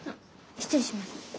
失礼します。